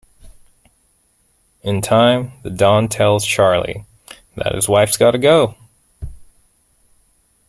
In time, the don tells Charley that his wife's gotta go.